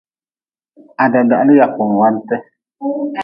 Ha dadahli yagwante.